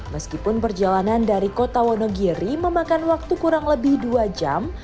meskipun perjalanan dari kota wonogiri memakan waktu kurang lebih dua jam